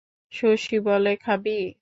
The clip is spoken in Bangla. শশী বলে, খাবি।